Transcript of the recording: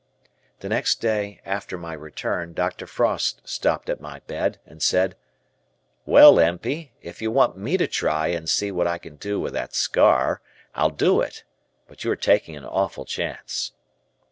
The next day after my return, Dr. Frost stopped at my bed and said: "Well, Empey, if you want me to try and see what I can do with that scar, I'll do it, but you are taking an awful chance."